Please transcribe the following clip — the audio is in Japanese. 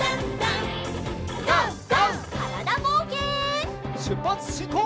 からだぼうけん。